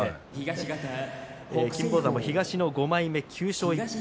金峰山も東の５枚目９勝１敗。